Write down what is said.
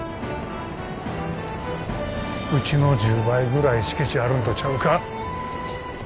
うちの１０倍ぐらい敷地あるんとちゃうか？